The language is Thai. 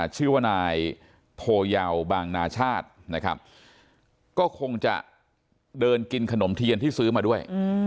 ชื่อว่านายโพยาวบางนาชาตินะครับก็คงจะเดินกินขนมเทียนที่ซื้อมาด้วย